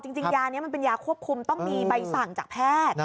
จริงยานี้มันเป็นยาควบคุมต้องมีใบสั่งจากแพทย์